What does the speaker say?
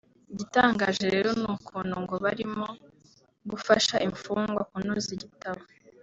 Igitangaje rero n’ukuntu ngo balimo gufasha infungwa kunoza igitabo